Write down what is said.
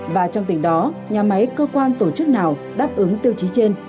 và trong tỉnh đó nhà máy cơ quan tổ chức nào đáp ứng tiêu chí trên